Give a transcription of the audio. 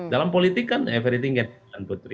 dalam politik kan everything can be done putri